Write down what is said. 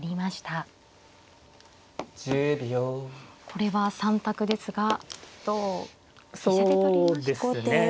これは３択ですが同飛車で取りましたね。